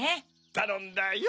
たのんだよ。